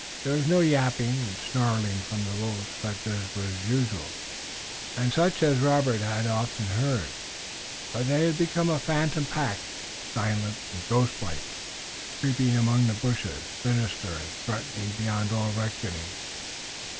There was no yapping and snarling from the wolves such as was usual, and such as Robert had often heard, but they had become a phantom pack, silent and ghost like, creeping among the bushes, sinister and threatening beyond all reckoning.